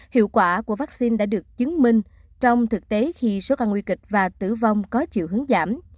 hiệu quả của vaccine đã được chứng minh trong thực tế khi số ca nguy kịch và tử vong có chiều hướng giảm